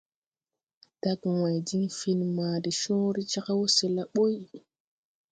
Dage wãy tin fen ma de cõõre jag wɔsɛla ɓuy.